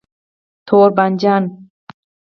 🍆 تور بانجان